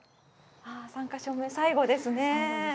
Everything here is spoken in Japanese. ３か所目、最後ですね。